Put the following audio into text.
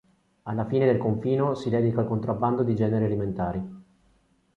Alla fine del confino, si dedica al contrabbando di generi alimentari.